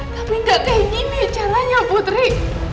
tapi gak kayak gini caranya putri